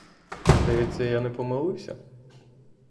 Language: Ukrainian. Здається, я не помилився?